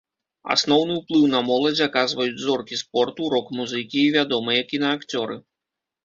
Асноўны ўплыў на моладзь аказваюць зоркі спорту, рок-музыкі і вядомыя кінаакцёры.